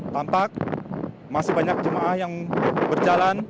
tampak masih banyak jemaah yang berjalan